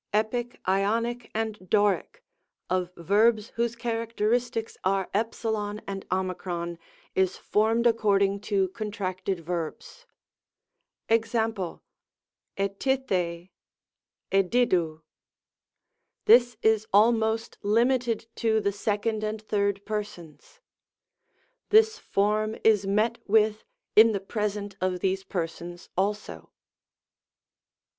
Epic, Ionic, and Doric, of verbs whose characteristics are t and o, is formed according to contracted verbs. Ex.^ i rl^Uy i Sidov. This is almost limited to the 2d and 3d Persons. This form is met with in the Present of these Persons also.